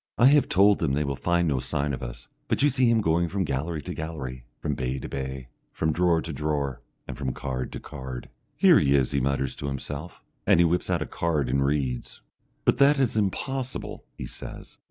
I have told them they will find no sign of us, but you see him going from gallery to gallery, from bay to bay, from drawer to drawer, and from card to card. "Here he is!" he mutters to himself, and he whips out a card and reads. "But that is impossible!" he says....